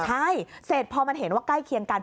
ใช่เสร็จพอมันเห็นว่าใกล้เคียงกัน